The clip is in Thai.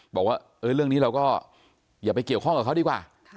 บอกว่าเรื่องนี้เราก็อย่าไปเกี่ยวข้องกับเขาดีกว่า